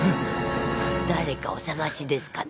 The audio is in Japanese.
・誰かお捜しですかね？